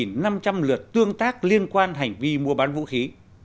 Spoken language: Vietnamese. ngoài ra có hơn bốn năm trăm linh lượt tương tác liên quan hành vi mua bán vũ khí